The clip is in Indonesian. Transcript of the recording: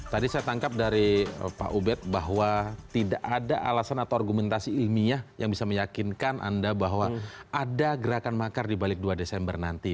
tadi saya tangkap dari pak ubed bahwa tidak ada alasan atau argumentasi ilmiah yang bisa meyakinkan anda bahwa ada gerakan makar di balik dua desember nanti